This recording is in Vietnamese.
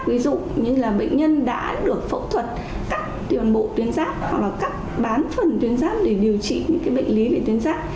ví dụ như là bệnh nhân đã được phẫu thuật cắt tiền bộ tuyến giáp hoặc là cắt bán phần tuyến giáp để điều trị những bệnh lý về tuyến giáp